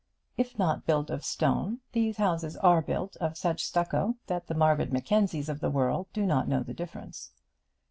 If not built of stone, these houses are built of such stucco that the Margaret Mackenzies of the world do not know the difference.